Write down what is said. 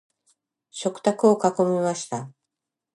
食卓を囲みました。